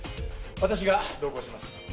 私が同行します。